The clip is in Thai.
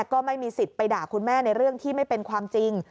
ก็ไม่มีสิทธิ์ไปด่าคุณแม่ในเรื่องที่ไม่เป็นความจริง